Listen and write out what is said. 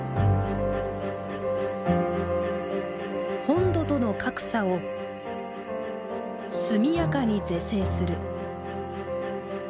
「本土との格差」を「速やかに是正する」。